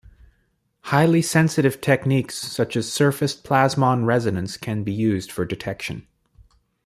Highly sensitive techniques such as surface plasmon resonance can be used for detection.